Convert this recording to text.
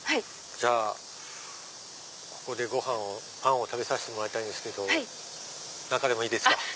じゃあここでパンを食べさせてもらいたいけど中でもいいですか？